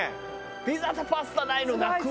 ピザとパスタないの泣くわ。